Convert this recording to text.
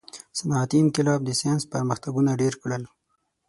• صنعتي انقلاب د ساینس پرمختګونه ډېر کړل.